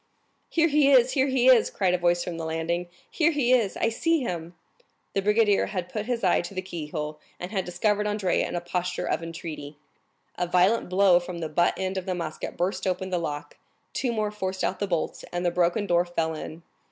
"Here he is, here he is!" cried a voice from the landing; "here he is! I see him!" The brigadier had put his eye to the keyhole, and had discovered Andrea in a posture of entreaty. A violent blow from the butt end of the musket burst open the lock, two more forced out the bolts, and the broken door fell in.